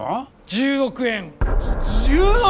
１０億円じゅ１０億！？